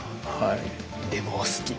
でもお好き？